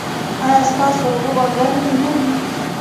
ایا ستاسو اوبه به ګرمې نه وي؟